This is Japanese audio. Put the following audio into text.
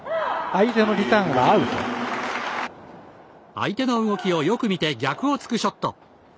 相手の動きをよく見て逆を突くショット。